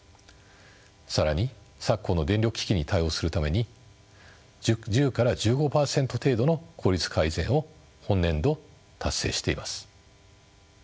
更に昨今の電力危機に対応するために１０から１５％程度の効率改善を本年度達成しています。